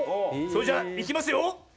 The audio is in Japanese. それじゃ、いきますよ！